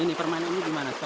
ini permainan gimana